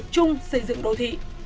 chung xây dựng đô thị